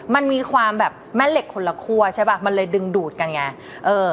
มันมีความแบบแม่เหล็กคนละคั่วใช่ป่ะมันเลยดึงดูดกันไงเออ